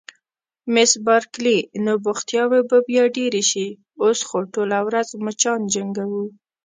مس بارکلي: نو بوختیاوې به بیا ډېرې شي، اوس خو ټوله ورځ مچان جنګوو.